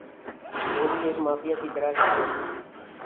۔ وہ بھی ایک مافیا کی طرح ھی ھیں